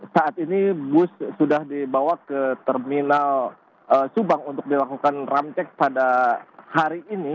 saat ini bus sudah dibawa ke terminal subang untuk dilakukan ramcek pada hari ini